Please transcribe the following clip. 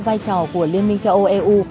vai trò của liên minh châu âu eu